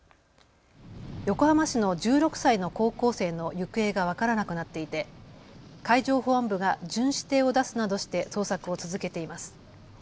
横浜市の１６歳の高校生の行方が分からなくなっていて海上保安部が巡視艇を出すなどして捜索を続けています。